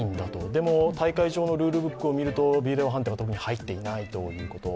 でも、大会上のルールブックを見るとビデオ判定は入っていないということ。